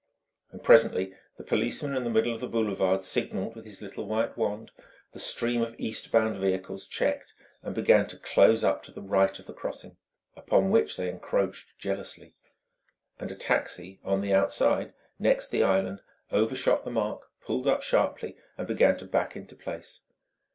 And presently the policeman in the middle of the boulevard signalled with his little white wand; the stream of east bound vehicles checked and began to close up to the right of the crossing, upon which they encroached jealously; and a taxi on the outside, next the island, overshot the mark, pulled up sharply, and began to back into place.